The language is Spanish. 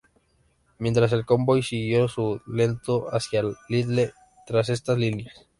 Mientras el convoy siguió su lento hacia Lille tras estas líneas.